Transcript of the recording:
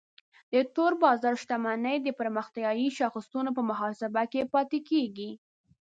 د تور بازار شتمنۍ د پرمختیایي شاخصونو په محاسبه کې پاتې کیږي.